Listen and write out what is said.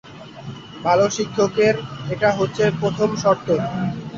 ভাল শিক্ষকের এটা হচ্ছে প্রথম শর্ত।